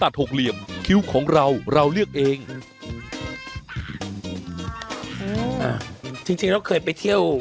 จริงแล้วเคยไปเที่ยว